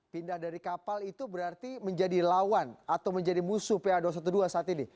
pindah dari kapal itu berarti menjadi lawan atau menjadi musuh pa dua ratus dua belas saat ini